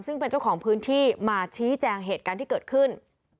ซึ่งเป็นเจ้าของพื้นที่มาชี้แจงเหตุการณ์ที่เกิดขึ้น